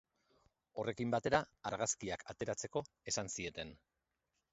Horrekin batera, argazkiak ateratzeko esan zieten.